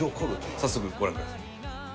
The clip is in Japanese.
早速ご覧ください。